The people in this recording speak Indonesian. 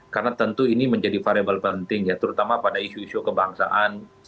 karena tentu ini menjadi variable penting ya terutama pada isu isu kebangsaan